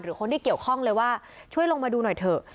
คนที่เกี่ยวข้องเลยว่าช่วยลงมาดูหน่อยเถอะ